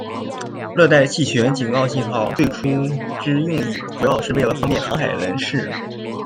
热带气旋警告信号最初之用意主要是为了方便航海人士。